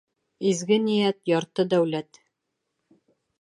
Изге ниәт ярты дәүләт.